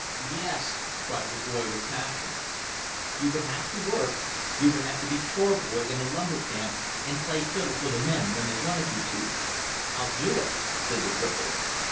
"Yes" cried the boy with passion. "You would have to work. You would have to be chore boy in a lumber camp, and play fiddle for the men when they wanted you to." "I'll do it," said the cripple.